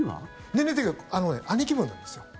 年齢的には兄貴分なんですよ。